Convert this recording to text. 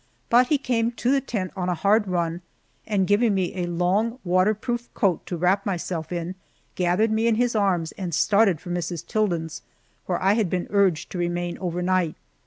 But he came to the tent on a hard run, and giving me a long waterproof coat to wrap myself in, gathered me in his arms and started for Mrs. Tilden's, where I had been urged to remain overnight.